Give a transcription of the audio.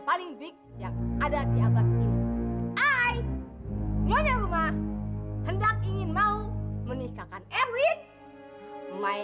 paling big yang ada di abad ini hai nyonya rumah hendak ingin mau menikahkan erwin my